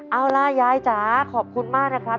เอาล่ะยายจ๋าขอบคุณมากนะครับ